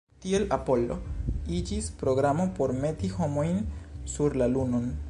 Tiel Apollo iĝis programo por meti homojn sur la Lunon.